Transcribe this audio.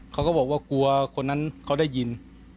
เขาก็บอกว่ากลัวคนนั้นเขาได้ยิน